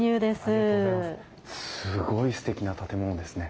すごいすてきな建物ですね。